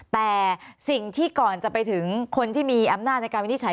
แต่สิ่งที่ก่อนจะไปถึงคนที่มีอำนาจในการวินิจฉัย